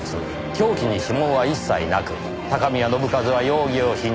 凶器に指紋は一切なく高宮信一は容疑を否認。